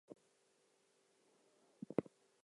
Eke is happily married and blessed with children.